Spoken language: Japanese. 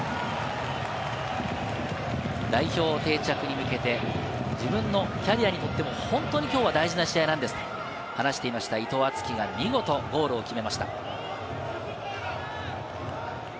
代表定着に向けて、自分のキャリアにとっても本当にきょうは大事な試合なんですと話していました伊藤敦樹が、見事ゴールを決めました。